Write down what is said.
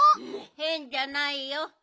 へんじゃないよ。